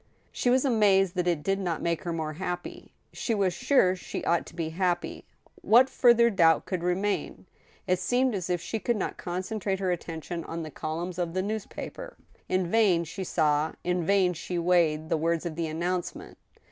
She was amazed that it did not make her more happy. She was sure she ought to be happy. What further doubt could remain ? It seemed as if she could not concentrate her attention on the columns of the newspaper. In vain she saw, in vain she weighed the words of the announce ment.